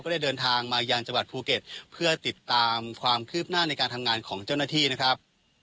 ได้เดินทางมายังจังหวัดภูเก็ตเพื่อติดตามความคืบหน้าในการทำงานของเจ้าหน้าที่นะครับ